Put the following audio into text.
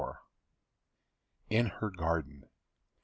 IN HER GARDEN.